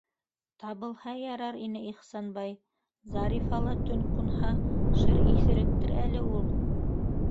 Табылһа ярар ине Ихсанбай, Зарифала төн ҡунһа, шыр иҫеректер әле ул...